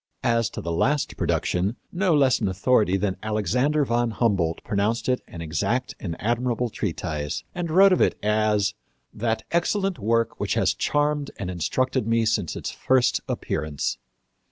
As to the last production, no less an authority than Alexander von Humboldt pronounced it an exact and admirable treatise, and wrote of it as "that excellent work which has charmed and instructed me since its first appearance."